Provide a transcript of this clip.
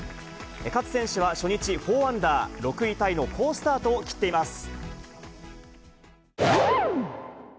勝選手は初日、４アンダー、６位タイの好スタートを切っています。